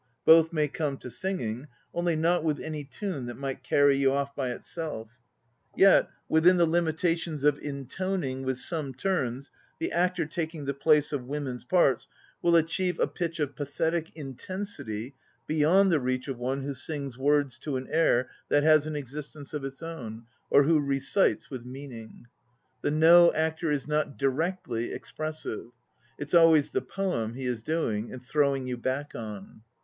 Both may come to singing, only not with any tune that might carry you off by itself, ^et. \\ithin the limitations of intoning, with some turns. th< actor taking the women's parts will achieve a pitch of pathetic in trn ity beyond the reach of one who sings words to an air that has an existence of its own, or who recites with meaning. The No actor is not directly expressive, it's always the poem he is doing and throwing you back on.